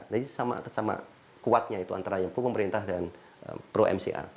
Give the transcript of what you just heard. jadi sama sama kuatnya itu antara yang pemerintah dan pro mca